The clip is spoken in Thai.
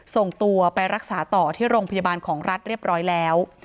ส่งตัวไปรักษาต่อที่โรงพยาบาลของรัฐเรียบร้อยแล้ว